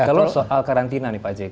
kalau soal karantina nih pak jk